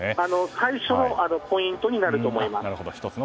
最初のポイントになると思います。